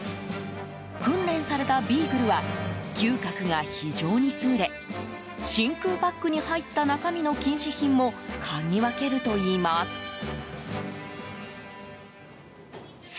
訓練されたビーグルは嗅覚が非常に優れ真空パックに入った中身の禁止品もかぎ分けるといいます。